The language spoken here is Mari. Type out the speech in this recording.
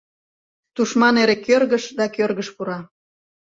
Тушман эре кӧргыш да кӧргыш пура.